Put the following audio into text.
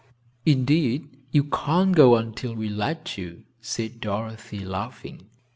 "Indeed you can't go until we let you," said Dorothy, laughing.